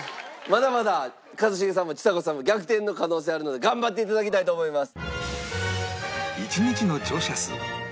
まだまだ一茂さんもちさ子さんも逆転の可能性あるので頑張って頂きたいと思います。